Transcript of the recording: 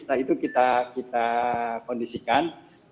nah itu kita kondisikan